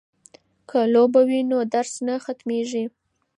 که لوبه وي نو درس نه سختيږي.